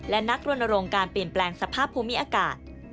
และนักรณรงค์การเปลี่ยนแปลงสภาพภูมิอากาศ